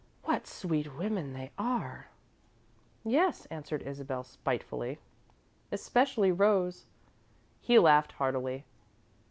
"What sweet women they are!" "Yes," answered Isabel, spitefully, "especially Rose." He laughed heartily.